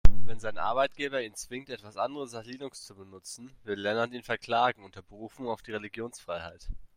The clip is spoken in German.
Wenn sein Arbeitgeber ihn zwingt, etwas anderes als Linux zu benutzen, will Lennart ihn verklagen, unter Berufung auf die Religionsfreiheit.